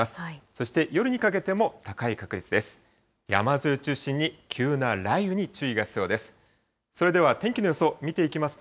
そして夜にかけても高い確率です。